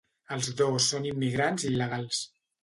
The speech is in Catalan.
Els dos són immigrants il·legals.